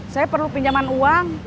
saya perlu pinjaman uang